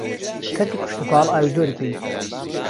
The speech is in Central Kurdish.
کەرتی کشتووکاڵ ئاوی زۆری پێویستە